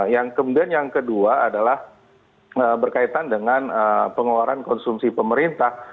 yang kemudian yang kedua adalah berkaitan dengan pengeluaran konsumsi pemerintah